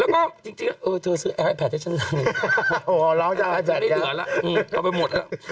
แบบยังได้เหลือเอาอยู่แล้วามีเหตุฉุกเฉยแล้วจะลงไปได้